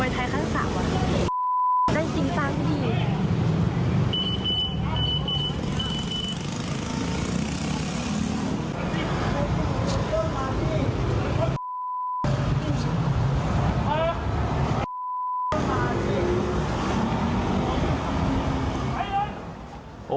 ไทยครั้งสามได้กินตังค์ดี